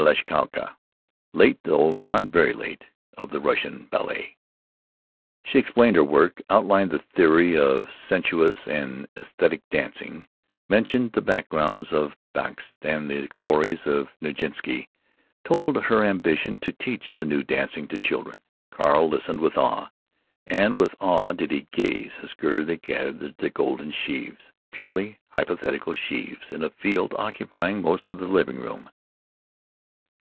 Vashkowska, late (though not very late) of the Russian ballet. She explained her work; outlined the theory of sensuous and esthetic dancing; mentioned the backgrounds of Bakst and the glories of Nijinsky; told her ambition to teach the New Dancing to children. Carl listened with awe; and with awe did he gaze as Gertie gathered the Golden Sheaves—purely hypothetical sheaves in a field occupying most of the living room.